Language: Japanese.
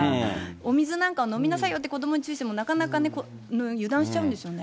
お水なんかを飲みなさいよと子どもに注意しても、なかなかね、油断しちゃうんですよね。